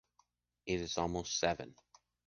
It’s almost seven.